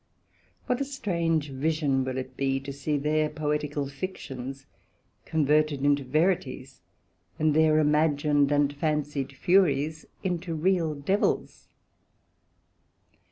What a strange vision will it be to see their Poetical fictions converted into Verities, and their imagined and fancied Furies into real Devils?